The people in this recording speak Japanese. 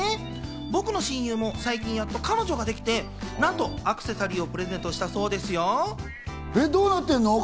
僕の親友も最近、やっと彼女ができて、なんとアクセサリーをプレゼントしたそうですよ。